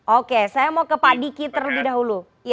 oke saya mau ke pak diki terlebih dahulu